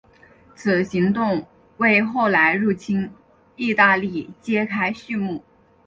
此行动为后来入侵义大利揭开续幕。